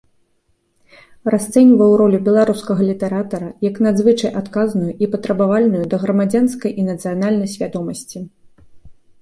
Расцэньваў ролю беларускага літаратара як надзвычай адказную і патрабавальную да грамадзянскай і нацыянальнай свядомасці.